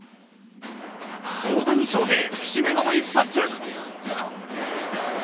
大谷翔平、節目の一発。